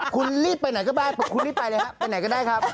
คุณรีบไปไหนก็ได้คุณรีบไปเลยครับไปไหนก็ได้ครับ